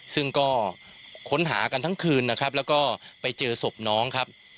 ซึ่งก็ค้นหากันทั้งคืนนะครับแล้วก็ไปเจอศพน้องครับ